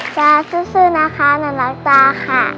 ตาสู้นะคะหนูรักตาค่ะ